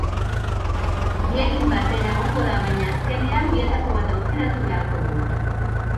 Biekin batera egongo da, baina, azkenean bietako bat aukeratu beharko du.